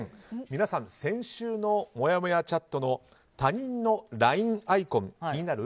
皆さん、先週のもやもやチャットの他人のＬＩＮＥアイコン気になる？